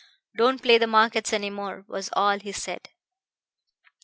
'Don't play the markets any more,' was all he said.